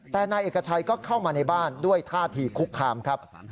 แต่นายเอกชัยก็เข้ามาในบ้านด้วยท่าทีคุกคามครับ